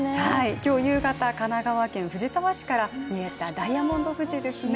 今日夕方、神奈川県藤沢市から見えたダイヤモンド富士ですね。